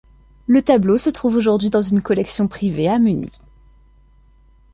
Le tableau se trouve aujourd’hui dans une collection privée à Munich.